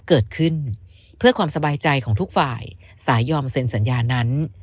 เกิดขึ้นเพื่อความสบายใจของทุกฝ่ายสายยอมเซ็นสัญญานั้น